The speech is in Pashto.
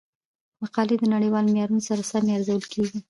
مقالې د نړیوالو معیارونو سره سمې ارزول کیږي.